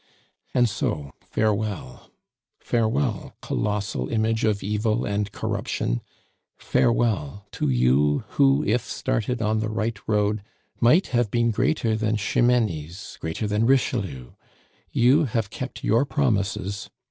"And so, farewell. Farewell, colossal image of Evil and Corruption; farewell to you who, if started on the right road, might have been greater than Ximenes, greater than Richelieu! You have kept your promises.